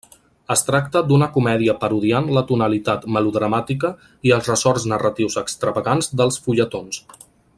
Es tracta d'una comèdia parodiant la tonalitat melodramàtica i els ressorts narratius extravagants dels fulletons.